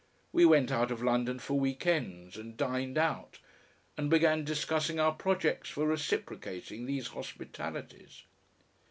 We went out of London for week ends and dined out, and began discussing our projects for reciprocating these hospitalities.